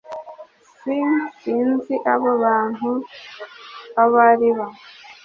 S Sinzi abo bantu abo ari bo